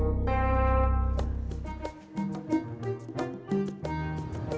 ya ada yang mau